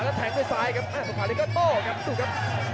และแทงไปซ้ายครับสมการเล็กทำทองครับ